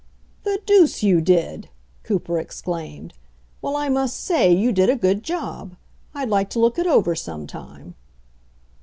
"The deuce you did!" Cooper exclaimed. "Well, I must say you did a good job. I'd like to look it over some time."